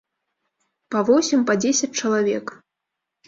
Па восем, па дзесяць чалавек.